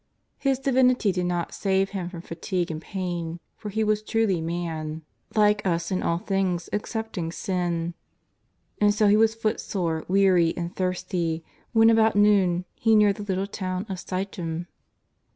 His Divinity did not save Him from fatigue and pain, for He was truly man, like us in all things excepting sin. And so He was footsore, weary and thirsty when about noon He neared the little town of Sichem.